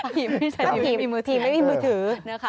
ผีไม่ใช่มือถือผีไม่มีมือถือ